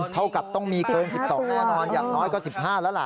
เท่ากับต้องมีเกิน๑๒แน่นอนอย่างน้อยก็๑๕แล้วล่ะ